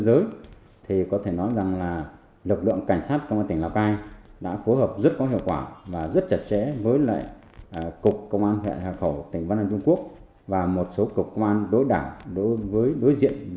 đặc biệt là trong thời kỳ này công an tỉnh lào cai đã phối hợp rất có hiệu quả và rất chặt chẽ với một số các công an huyện đối đảng của phía trung quốc đối với việt nam